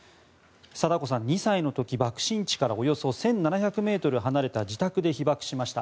禎子さん、２歳の時爆心地からおよそ１７００ｍ離れた自宅で被爆しました。